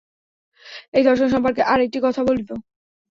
এই দর্শন সম্পর্কে আর একটি কথা বলিব।